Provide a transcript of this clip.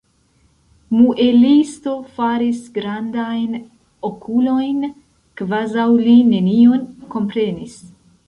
Muelisto faris grandajn okulojn, kvazaŭ li nenion komprenis.